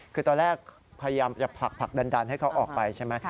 คือตอนแรกพยายามจะผลักดันให้เขาออกไปใช่ไหม